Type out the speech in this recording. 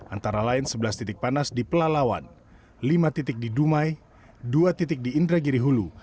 antara lain sebelas titik panas di pelalawan lima titik di dumai dua titik di indragiri hulu